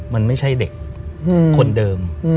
มันไม่ใช่เด็กคนเดิม